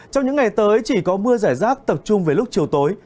trong những ngày tới chỉ có mưa rải rác tập trung về lúc chiều tối